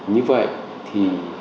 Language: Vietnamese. như vậy thì